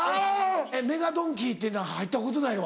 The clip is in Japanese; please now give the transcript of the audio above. メガドンキっていうのは入ったことないわ。